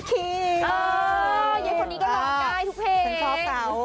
คนนี้ก็น้องกายทุกเพลง